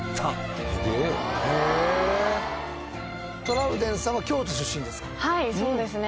トラウデンさんは京都出身ですか？